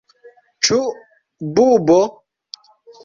Ĉu bubo?